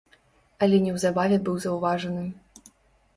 Але неўзабаве быў заўважаны.